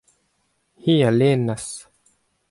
hi a lennas.